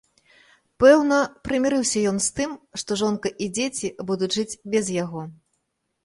Пэўна, прымірыўся ён з тым, што жонка і дзеці будуць жыць без яго.